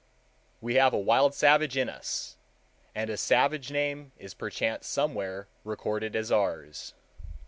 We have a wild savage in us, and a savage name is perchance somewhere recorded as ours.